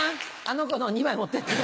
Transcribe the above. あの子のを２枚持ってって。